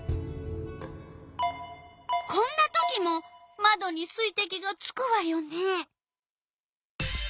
こんなときもまどに水てきがつくわよね。